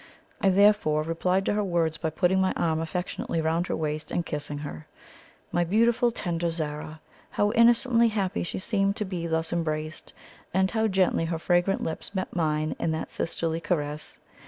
I therefore replied to her words by putting my arm affectionately round her waist and kissing her. My beautiful, tender Zara! How innocently happy she seemed to be thus embraced! and how gently her fragrant lips met mine in that sisterly caress!